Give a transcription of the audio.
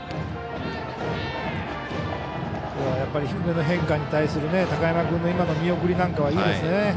低めの変化に対する高山君の今の見送りなんかはいいですね。